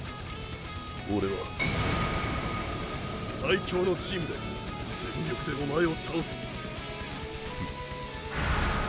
オレは最強のチームで全力でおまえを倒す！